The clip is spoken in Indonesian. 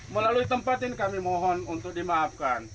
melalui tempatin kami mohon untuk dimaafkan